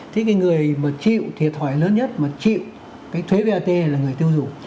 thế cái người mà chịu thiệt hỏi lớn nhất mà chịu cái thuế vat là người tiêu dụng